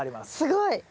すごい。